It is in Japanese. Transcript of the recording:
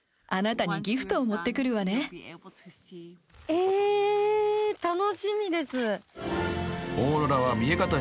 え楽しみです。